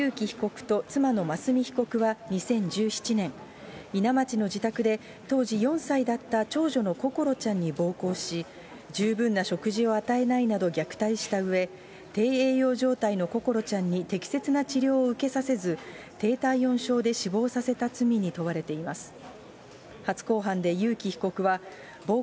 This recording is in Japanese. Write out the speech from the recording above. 被告と妻の真純被告は２０１７年、伊奈町の自宅で当時４歳だった長女の心ちゃんに暴行し、十分な食事を与えないなど虐待したうえ、低栄養状態の心ちゃんに適切な治療を受けさせず、低体温症で死亡させた罪に問われています。